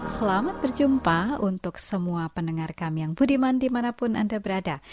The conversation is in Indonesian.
selamat berjumpa untuk semua pendengar kami yang budiman dimanapun anda berada